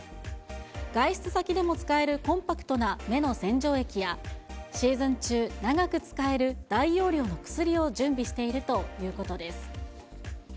外出先でも使えるコンパクトな目の洗浄液や、シーズン中、長く使える大容量の薬を準備しているということです。